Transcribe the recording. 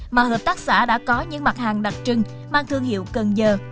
mà hợp tác xã đã có những mặt hàng đặc trưng mang thương hiệu cần giờ